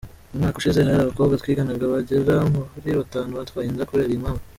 Mu mwaka ushize hari abakobwa twiganaga bagera muri batanu batwaye inda kubera iyi mpamvu.